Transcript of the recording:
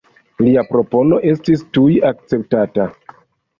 Lia propono estis tuj akceptata.